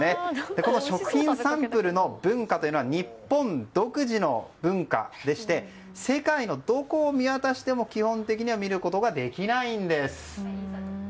この食品サンプルの文化というのは、日本独自の文化でして世界のどこを見渡しても基本的には見ることができないんです。